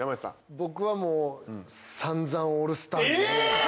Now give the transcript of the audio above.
僕はもう散々オールスターズえ！